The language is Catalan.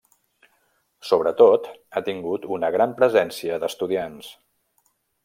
Sobretot, ha tingut una gran presència d'estudiants.